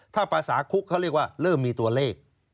ถ้าภาษาคุกเขาเรียกว่าเริ่มมีตัวเลข